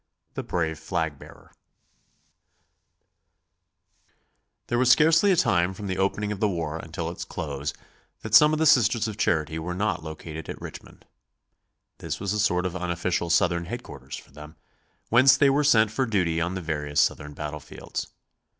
The brave flag bearer. There was scarcely a time from the opening of the war until its close that some of the Sisters of Charity were not located at Richmond. This was a sort of unofficial Southern headquarters for them, whence they were sent for duty on the various Southern battlefields.